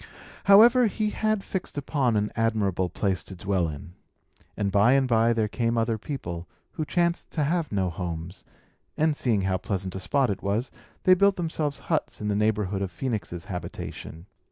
However, he had fixed upon an admirable place to dwell in. And by and by there came other people, who chanced to have no homes; and, seeing how pleasant a spot it was, they built themselves huts in the neighbourhood of Phœnix's habitation.